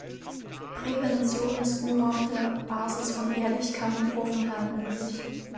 Prävention ist nur auf der Basis von Ehrlichkeit und Offenheit möglich.